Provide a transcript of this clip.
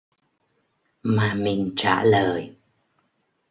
Mà mình trả lời